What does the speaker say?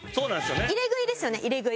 入れ食いですよね入れ食い。